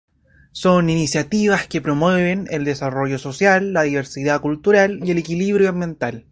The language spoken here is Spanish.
Son iniciativas que promueven el desarrollo social, la diversidad cultural y el equilibrio ambiental.